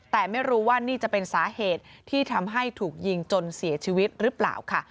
แต่ไม่รู้ว่านี่จะเป็นสาเหตุที่ทำให้ถูกยิงจนเสียชีวิตหรือเปล่าค่ะ